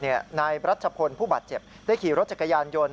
นายรัชพลผู้บาดเจ็บได้ขี่รถจักรยานยนต์